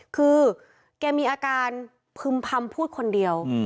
คือแกมีอาการพึ่มพำพูดคนเดียว